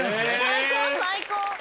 最高最高！